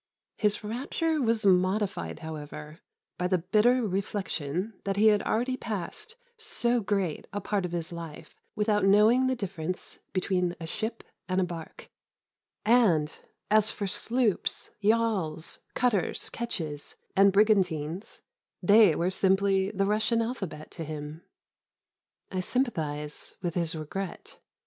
His rapture was modified however, by the bitter reflection that he had already passed so great a part of his life without knowing the difference between a ship and a barque; and, as for sloops, yawls, cutters, ketches, and brigantines, they were simply the Russian alphabet to him. I sympathise with his regret.